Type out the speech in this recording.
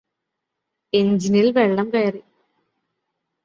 എഞ്ചിനിൽ വെള്ളം കയറി